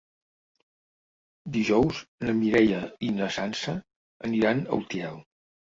Dijous na Mireia i na Sança aniran a Utiel.